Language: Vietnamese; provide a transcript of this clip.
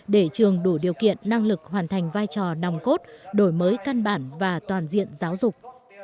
để trường đủ điều kiện năng lực hoàn thành vai trò nòng cốt đổi mới căn bản và toàn diện giáo dục